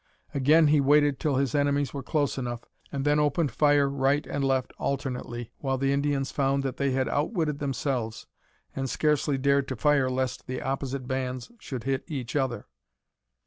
Again he waited till his enemies were close enough, and then opened fire right and left alternately, while the Indians found that they had outwitted themselves and scarcely dared to fire lest the opposite bands should hit each other.